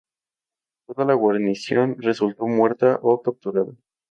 Toda la guarnición resultó muerta o capturada.